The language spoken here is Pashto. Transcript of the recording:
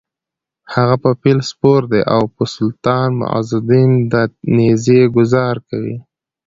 هغه په فیل سپور دی او په سلطان معزالدین د نېزې ګوزار کوي: